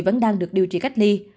vẫn đang được điều trị cách ly